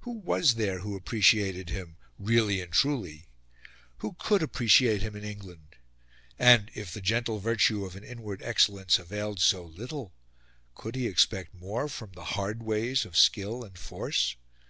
Who was there who appreciated him, really and truly? Who COULD appreciate him in England? And, if the gentle virtue of an inward excellence availed so little, could he expect more from the hard ways of skill and force?